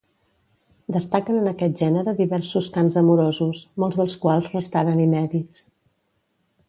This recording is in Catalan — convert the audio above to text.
Destaquen en aquest gènere diversos cants amorosos, molts dels quals restaren inèdits.